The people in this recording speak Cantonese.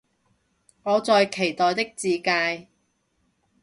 我在期待的自介